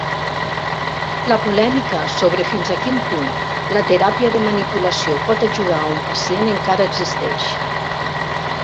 La polèmica sobre fins a quin punt la teràpia de manipulació pot ajudar a un pacient encara existeix.